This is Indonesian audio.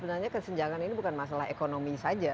sebenarnya kesenjangan ini bukan masalah ekonomi saja